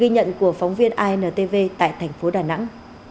ghi nhận của phóng viên intv tại thành phố đà nẵng